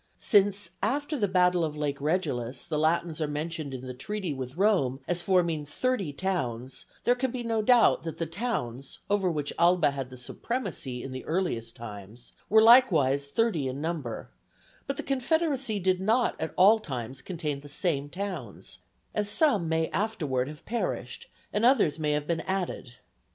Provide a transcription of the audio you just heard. Since, after the battle of Lake Regillus, the Latins are mentioned in the treaty with Rome as forming thirty towns, there can be no doubt that the towns, over which Alba had the supremacy in the earliest times, were likewise thirty in number; but the confederacy did not at all times contain the same towns, as some may afterward have perished and others may have been added.